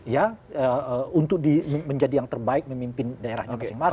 ya untuk menjadi yang terbaik memimpin daerahnya masing masing